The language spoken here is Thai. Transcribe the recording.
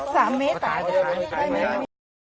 ตาย๓เมตรตายชะมัด